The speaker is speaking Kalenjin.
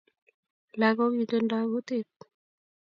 Lakok kitindoi kutit